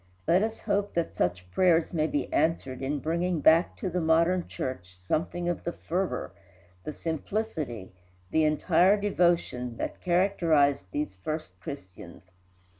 Let us hope that such prayers may be answered in bringing back to the modern church something of the fervor, the simplicity, the entire devotion that characterized these first Christians.